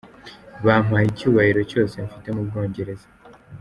"Bampaye icyubahiro cyose mfite mu Bwongereza.